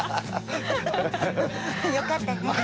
よかったね。